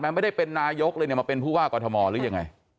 ไม่ได้เป็นนายกเลยเนี่ยมาเป็นผู้ว่ากอทมหรือยังไง